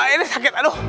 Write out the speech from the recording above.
ini sakit aduh